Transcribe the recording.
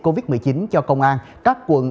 covid một mươi chín cho công an các quận